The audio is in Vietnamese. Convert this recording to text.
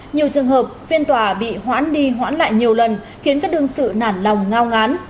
nhiều trường hợp phiên tòa bị hoãn đi hoãn lại nhiều lần khiến các đương sự nản lòng ngao ngán